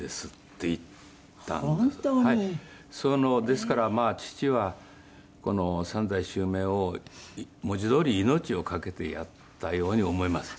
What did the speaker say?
ですからまあ父はこの３代襲名を文字どおり命を懸けてやったように思います。